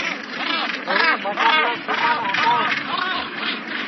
چھوری ٻاٹا مِلا سمان ہٹا